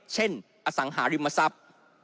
อสังหาริมทรัพย์